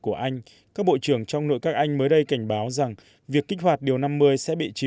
của anh các bộ trưởng trong nội các anh mới đây cảnh báo rằng việc kích hoạt điều năm mươi sẽ bị trì